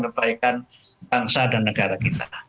kebaikan bangsa dan negara kita